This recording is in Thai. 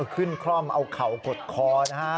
ขึ้นคล่อมาเอาเข่ากดคอนะครับ